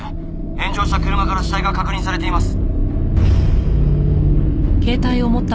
炎上した車から死体が確認されています」